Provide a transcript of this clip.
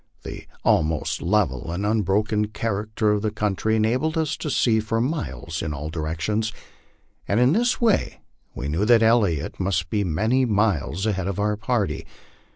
The almost level and un broken character of the country enabled us to see for miles in all directions, 156 LIFE ON THE PLAINS. and in this way we knew that Elliot must be many miles ahead of our party.